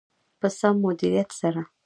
په سم مدیریت سره.